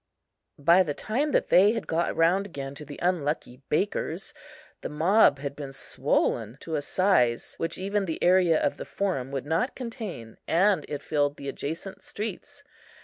By the time that they had got round again to the unlucky baker's, the mob had been swollen to a size which even the area of the Forum would not contain, and it filled the adjacent streets.